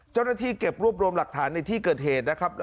เจ้าหน้าที่เก็บรวบรวมหลักฐานในที่เกิดเหตุนะครับ